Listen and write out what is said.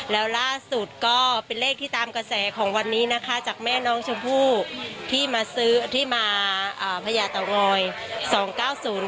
แล้วล่าสุดก็เป็นเลขที่ตามกระแสของวันนี้นะคะจากแม่น้องชมพู่ที่มาซื้อที่มาอ่าพญาเตางอยสองเก้าศูนย์